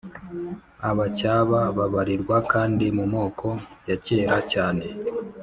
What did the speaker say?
abacyaba babarirwa kandi mu moko ya kera cyane